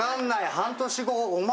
半年後お前